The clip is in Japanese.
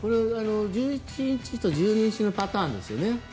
１１日と１２日のパターンですよね